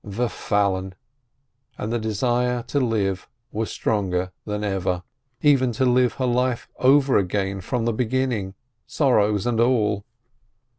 Ver f alien! And the desire to live was stronger than ever, even to live her life over again from the beginning, sorrows and all.